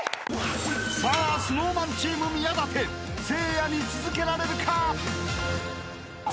［さあＳｎｏｗＭａｎチーム宮舘せいやに続けられるか？］